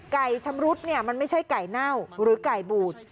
ไก่ชำนุดมันไม่ใช่ไก่เน่าหรือไก่บูด